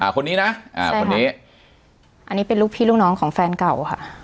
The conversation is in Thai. คนนี้นะคนนี้อันนี้เป็นลูกพี่ลูกน้องของแฟนเก่าค่ะ